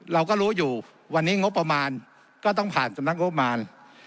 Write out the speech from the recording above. เราก็รู้อยู่วันนี้งบประมาณก็ต้องผ่านสำนักงบประมาณ